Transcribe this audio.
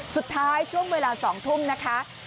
สุดท้ายช่วงเวลา๒ทุ่มนะคะ